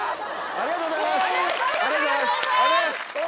ありがとうございます。